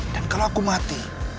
dan kalau aku mati